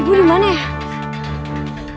ibu di mana ya